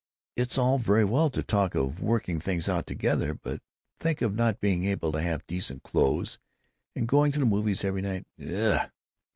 It's all very well to talk of working things out together, but think of not being able to have decent clothes, and going to the movies every night—ugh!